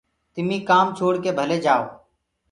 تمي ڪآم ڇوڙ ڪي ڀلي جآئو۔